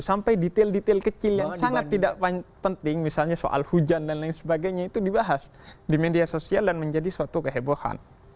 sampai detail detail kecil yang sangat tidak penting misalnya soal hujan dan lain sebagainya itu dibahas di media sosial dan menjadi suatu kehebohan